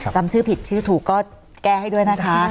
จำชื่อผิดชื่อถูกก็แก้ให้ด้วยนะคะ